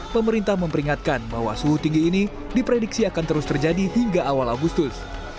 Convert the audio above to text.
pemerintah memperingatkan bahwa suhu tinggi ini diprediksi akan terus terjadi hingga awal agustus